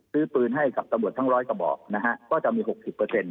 คือปืนให้กับตำรวจทั้งร้อยกระบอกนะฮะก็จะมี๖๐เปอร์เซ็นต์